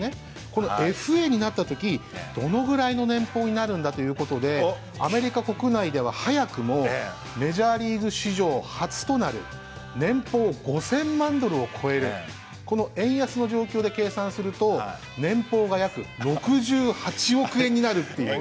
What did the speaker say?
このＦＡになった時どのぐらいの年俸になるんだということでアメリカ国内では早くもメジャーリーグ史上初となる年俸５，０００万ドルを超えるこの円安の状況で計算すると年俸が約６８億円になるっていう。